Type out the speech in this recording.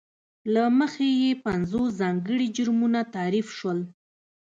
له مخې یې پینځوس ځانګړي جرمونه تعریف شول.